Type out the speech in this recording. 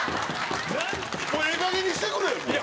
もうええ加減にしてくれよ！